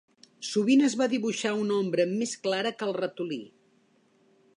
Sovint es va dibuixar una ombra més clara que el ratolí.